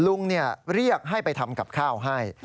ลุงเรียกให้ไปทำกับข้าวให้